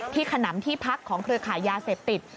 ขนำที่พักของเครือขายยาเสพติด